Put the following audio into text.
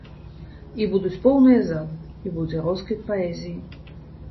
І будуць поўныя залы, і будзе росквіт паэзіі.